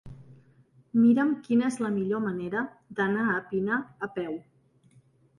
Mira'm quina és la millor manera d'anar a Pina a peu.